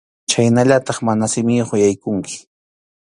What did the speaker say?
Chhaynallataq mana simiyuq yaykunki.